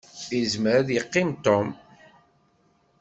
Izmer ad yeqqim Tom.